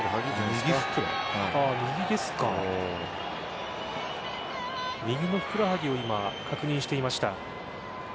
右のふくらはぎを今確認していました。